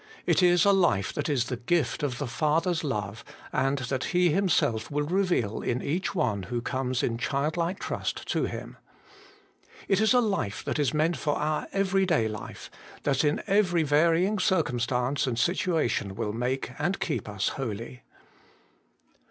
It is a life that is the gift of the Father's love, and that He Himself will reveal in each one who comes in childlike trust to Him. It is a life that is meant for our every day life, that in every varying circumstance and situa tion will make and keep us holy.